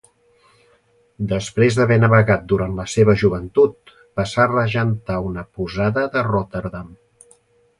Després d'haver navegat durant la seva joventut passà a regentar una posada de Rotterdam.